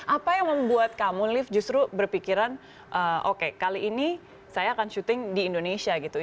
apa yang membuat kamu lift justru berpikiran oke kali ini saya akan syuting di indonesia gitu ya